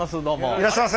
いらっしゃいませ。